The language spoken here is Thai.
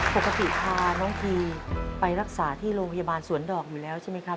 พาน้องพีไปรักษาที่โรงพยาบาลสวนดอกอยู่แล้วใช่ไหมครับ